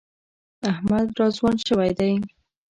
احمد را ځوان شوی دی.